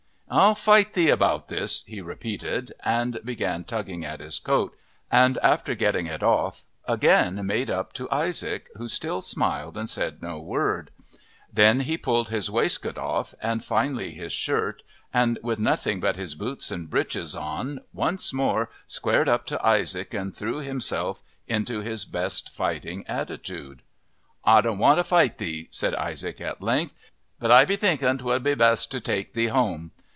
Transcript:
"I'll fight thee about this," he repeated, and began tugging at his coat, and after getting it off again made up to Isaac, who still smiled and said no word. Then he pulled his waistcoat off, and finally his shirt, and with nothing but his boots and breeches on once more squared up to Isaac and threw himself into his best fighting attitude. "I doan't want to fight thee," said Isaac at length, "but I be thinking 'twould be best to take thee home."